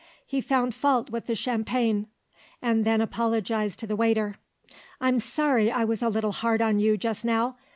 He found fault with the champagne and then apologised to the waiter. "I'm sorry I was a little hard on you just now.